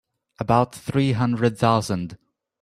About three hundred thousand.